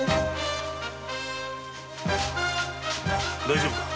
大丈夫か？